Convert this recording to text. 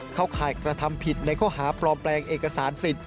เข้าข่ายกระทำผิดในข้อหาปลอมแปลงเอกสารสิทธิ